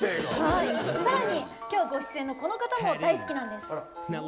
さらに、きょうご出演のこの方も大好きなんです。